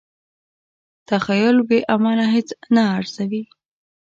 تخیل بې عمله هیڅ نه ارزوي.